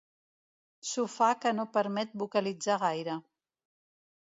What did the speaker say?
Sofà que no permet vocalitzar gaire.